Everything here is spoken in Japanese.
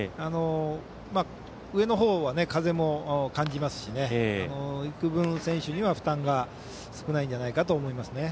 上の方は風も感じますしいくぶん、選手には負担が少ないんだと思います。